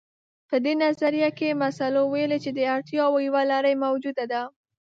په دې نظريه کې مسلو ويلي چې د اړتياوو يوه لړۍ موجوده ده.